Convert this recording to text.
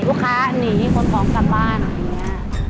ลูกค้านีคนพร้อมกลับบ้านอย่างนี้